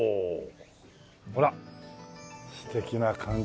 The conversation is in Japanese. ほら素敵な感じで。